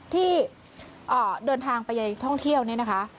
ที่เดินทางไปท่องเที่ยวเนี่ยนะคะ